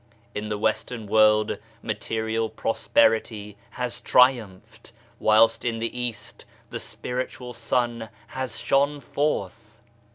In the Western world material prosperity has tri umphed, whilst in the East the spiritual sun has shone forth.